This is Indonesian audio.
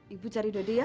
ibu cari dodi ya